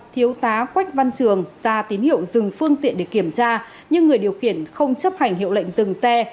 thiếu tá quách văn trường ra tín hiệu dừng phương tiện để kiểm tra nhưng người điều khiển không chấp hành hiệu lệnh dừng xe